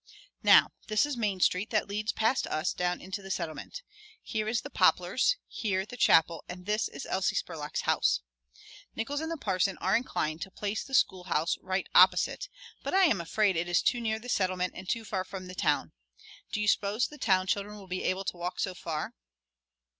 "Now, this is Main Street that leads past us down into the Settlement. Here is the Poplars, here the chapel, and this is Elsie Spurlock's house. Nickols and the parson are inclined to place the schoolhouse right opposite, but I am afraid it is too near the Settlement and too far from the Town. Do you suppose the Town children will be able to walk so far?"